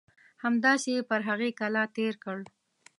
همداسې یې پر هغې کلا تېر کړل.